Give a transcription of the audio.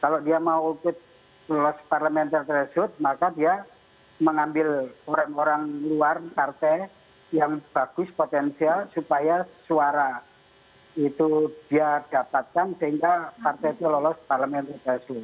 kalau dia mau lolos parliamentary threshold maka dia mengambil orang orang luar partai yang bagus potensial supaya suara itu dia dapatkan sehingga partai itu lolos parliamentary threshold